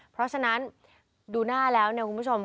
เพราะฉะนั้นดูหน้าแล้วเนี่ยคุณผู้ชม